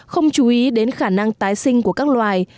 không chú ý đến khả năng tái sinh của các loài